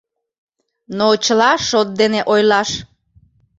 Но чыла шот дене ойлаш.